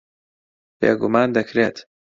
بێگومان دەکرێت.